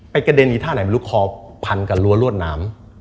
ไปกระเดนนี้ท่าไหนหมายลูกคอพันกับรัวรวดหนาม